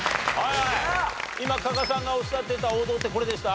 今加賀さんがおっしゃってた王道ってこれでした？